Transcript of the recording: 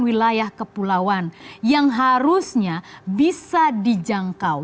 wilayah kepulauan yang harusnya bisa dijangkau